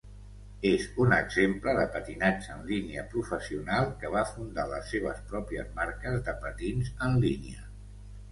És un exemple de patinatge en línia professional que va fundar les seves pròpies marques de patins en línia.